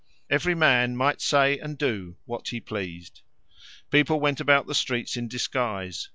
Every man might say and do what he pleased. People went about the streets in disguise.